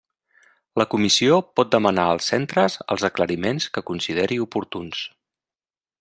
La Comissió pot demanar als centres els aclariments que consideri oportuns.